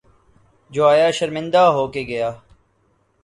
جو آیا شرمندہ ہو کے گیا۔